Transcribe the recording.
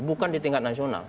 bukan di tingkat nasional